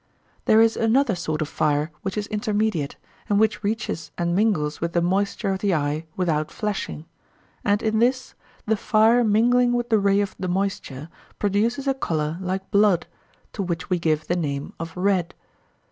There is another sort of fire which is intermediate, and which reaches and mingles with the moisture of the eye without flashing; and in this, the fire mingling with the ray of the moisture, produces a colour like blood, to which we give the name of red.